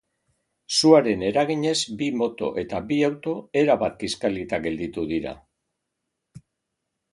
Suaren eraginez, bi moto eta bi auto erabat kiskalita gelditu dira.